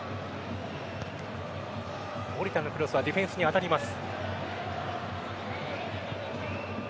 守田のクロスはディフェンスに当たります。